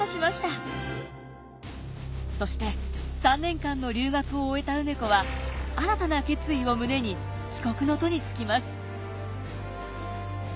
そして３年間の留学を終えた梅子は新たな決意を胸に帰国の途につきます。